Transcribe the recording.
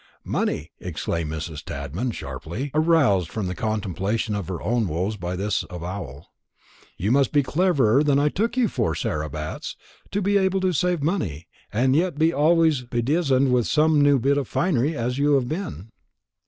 "Money!" exclaimed Mrs. Tadman, sharply, aroused from the contemplation of her own woes by this avowal; "you must be cleverer than I took you for, Sarah Batts, to be able to save money, and yet be always bedizened with some new bit of finery, as you've been."